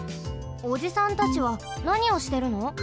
おじさんたちはなにをしてるの？